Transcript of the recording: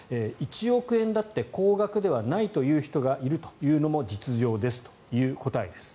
１億円だって高額ではないという人がいるというのも実情ですという答えです。